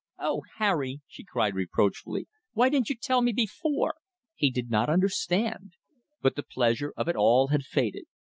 "Oh, Harry!" she cried reproachfully. "Why didn't you tell me before!" He did not understand; but the pleasure of it had all faded.